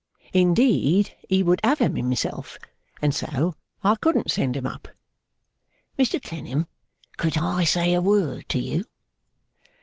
Indeed he would have 'em himself, and so I couldn't send 'em up. Mr Clennam, could I say a word to you?